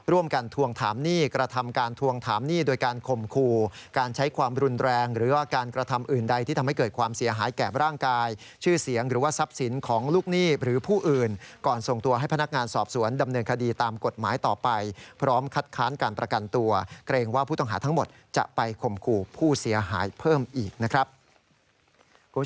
ร่วมกันทวงถามหนี้กระทำการทวงถามหนี้ด้วยการขมครูการใช้ความรุนแรงหรือการกระทำอื่นใดที่ทำให้เกิดความเสียหายแก่